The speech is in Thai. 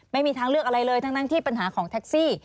ไม่มีทางเลือกอะไรเลยทั้งที่ปัญหาของแท็กซี่